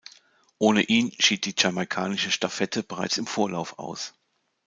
Ohne ihn schied die jamaikanische Stafette bereits im Vorlauf aus.